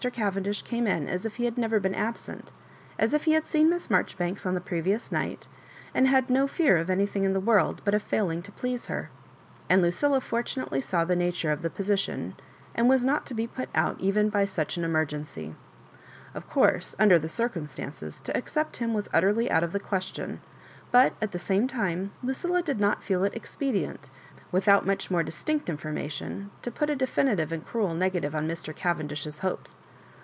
Cavendish came in as if he had never been absent, as if he had seen Miss Marjoribanks on the previous night, and had no fear of anything in the world but of failing to please her ; and Lucilla fortu nately saw the nature of the position, and was not to be put out even by such an emergency. Of course, under the circumstances, to accept him was utterly out of the question; but, at the same time, Lucilla did not feel it expedient, with out much more distinct information, to ptit a Digitized by VjOOQIC MISS MABJORIBANKS. 65 definitive and crael negative on Mr. Cavendish^e hopes.